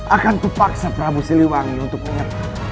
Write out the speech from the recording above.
akan ku paksa prabu siliwangi untuk menangkapmu